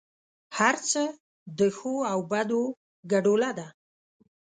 هر څه د ښو او بدو ګډوله ده.